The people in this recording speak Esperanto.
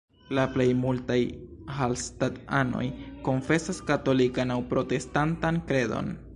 La plej multaj Hallstatt-anoj konfesas katolikan aŭ protestantan kredon.